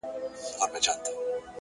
خاموشه هڅه لویې پایلې زېږوي.!